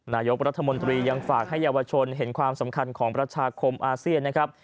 นายกรัฐมนตรียังฝากให้เยาวชนเห็นความสำคัญของประชาคมอาเซียนนะครับ